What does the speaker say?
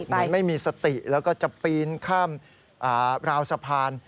เหมือนไม่มีสติแล้วก็จะปีนข้ามราวสะพาน